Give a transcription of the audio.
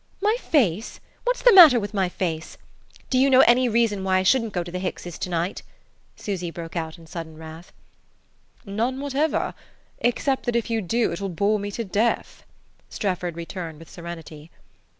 My face? What's the matter with my face? Do you know any reason why I shouldn't go to the Hickses to night?" Susy broke out in sudden wrath. "None whatever; except that if you do it will bore me to death," Strefford returned, with serenity.